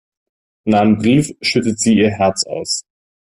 In einem Brief schüttet sie ihr Herz aus.